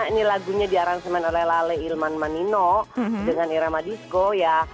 karena ini lagunya di aransemen oleh lale ilman manino dengan irama disco ya